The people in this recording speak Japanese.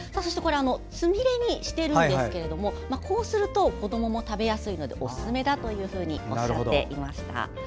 つみれにしてるんですけれどもこうすると子どもも食べやすいのでおすすめだとおっしゃっていました。